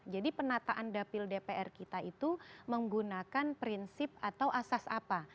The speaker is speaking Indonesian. jadi penataan dapil dpr kita itu menggunakan prinsip atau asas apa